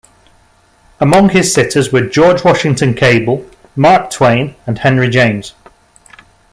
Among his sitters were George Washington Cable, Mark Twain, and Henry James.